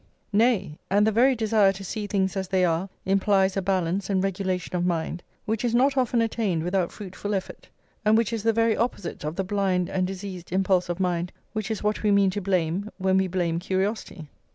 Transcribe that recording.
Nay, and the very desire to see things as they are implies a balance and regulation of mind which is not often attained without fruitful effort, and which is the very opposite of the blind and diseased impulse of mind which is what we mean to blame when we blame curiosity.